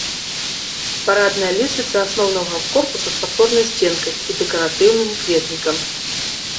Парадная лесвіца асноўнага корпуса з падпорнай сценкай і дэкаратыўным кветнікам.